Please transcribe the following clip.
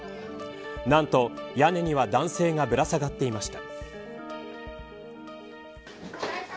何と屋根には男性がぶら下がっていました。